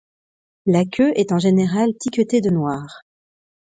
La queue est en général tiquetée de noir.